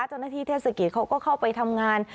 เจ้าหน้าที่เทศเกียรติเขาก็เข้าไปทำงาน